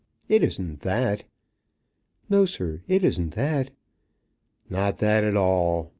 It isn't that." "No, sir; it isn't that." "Not that at all.